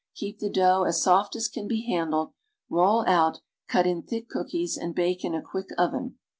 Keep the dough as soft as can be handled; roll ont, cut in thick cookies and bake in a quick oven.